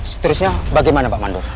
seterusnya bagaimana pak mandor